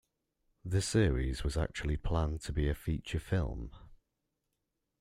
The series was actually planned to be a feature film.